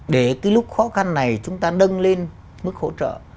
để lúc khó khăn này chúng ta đâng lên mức hỗ trợ